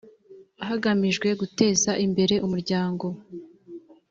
hagamijwe guteza imbere umuryango